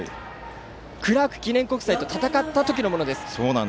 クラーク記念国際と戦ったときのものです。